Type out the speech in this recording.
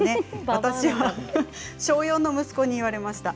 私は小４の息子に言われました。